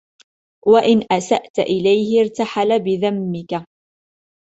وَإِنْ أَسَأْت إلَيْهِ ارْتَحَلَ بِذَمِّك